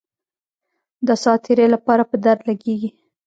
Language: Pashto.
د ساعت تیرۍ لپاره په درد لګېږي.